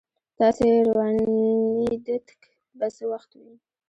تاس روانیدتک به څه وخت وین